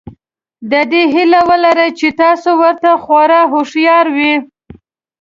د دې هیله ولرئ چې تاسو ورته خورا هوښیار وئ.